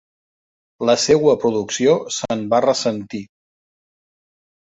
La seua producció se'n va ressentir.